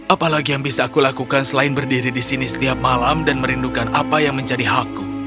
apalagi yang bisa aku lakukan selain berdiri di sini setiap malam dan merindukan apa yang menjadi hakku